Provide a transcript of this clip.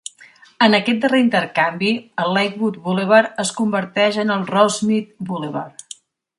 En aquest darrer intercanvi, el Lakewood Boulevard es converteix en el Rosemead Boulevard.